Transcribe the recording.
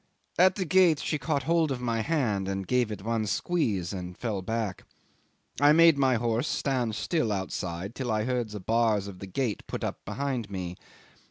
At the gate she caught hold of my hand and gave it one squeeze and fell back. I made my horse stand still outside till I heard the bars of the gate put up behind me.